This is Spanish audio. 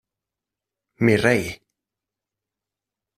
¡ mi rey!...